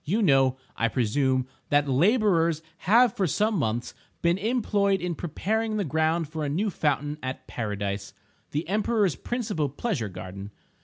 You know, I presume, that laborers have for some months been employed in preparing the ground for a new fountain at Paradise, the Emperor's principal pleasure garden.